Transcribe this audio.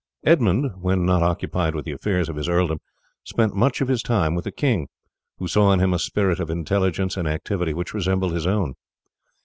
Edmund, when not occupied with the affairs of his earldom, spent much of his time with the king, who saw in him a spirit of intelligence and activity which resembled his own.